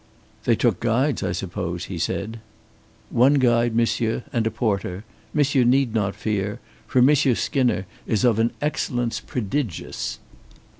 "They took guides, I suppose," he said. "One guide, monsieur, and a porter. Monsieur need not fear. For Monsieur Skinner is of an excellence prodigious."